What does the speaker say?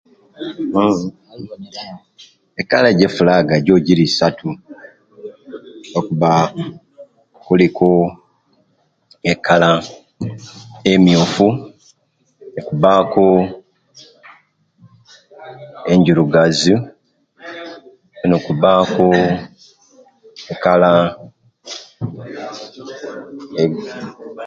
Ekala je fulaga Jo jiri isatu okuba kuliku ekala emiufu, nokubaku enjiruzavu, nokubaku ekala